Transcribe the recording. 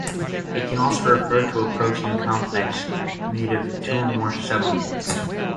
It can also refer to a protein complex made of two or more subunits.